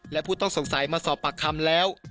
และผู้ต้องสงสัยมาสอบปากคำแล้ว